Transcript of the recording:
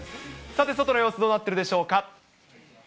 さて、外の様子どうなってるでしょうか。